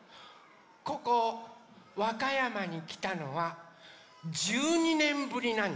ここわかやまにきたのは１２ねんぶりなんです。